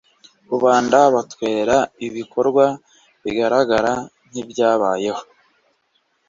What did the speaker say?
Rubanda batwerera ibikorwa bigaragara nk'ibyabayeho